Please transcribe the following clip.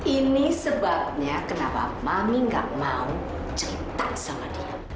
ini sebabnya kenapa mami gak mau cerita sama dia